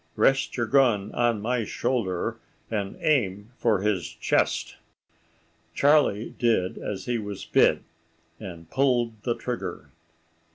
Rest your gun on my shoulder, and aim for his chest." Charlie did as he was bid, and pulled the trigger.